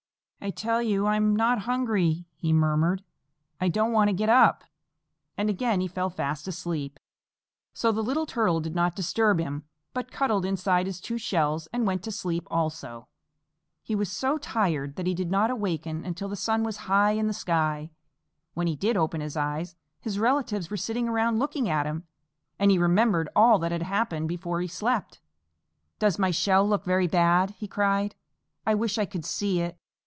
"I tell you I'm not hungry," he murmured. "I don't want to get up." And again he fell fast asleep. So the Slow Little Turtle did not disturb him, but cuddled inside his two shells and went to sleep also. He was so tired that he did not awaken until the sun was high in the sky. When he did open his eyes, his relatives were sitting around looking at him, and he remembered all that had happened before he slept. "Does my shell look very bad?" he cried. "I wish I could see it.